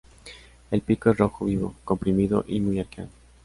El pico es rojo vivo, comprimido y muy arqueado.